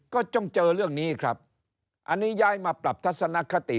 ก็ต้องเจอเรื่องนี้ครับอันนี้ย้ายมาปรับทัศนคติ